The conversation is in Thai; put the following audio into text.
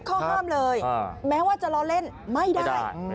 ข้อห้ามเลยแม้ว่าจะล้อเล่นไม่ได้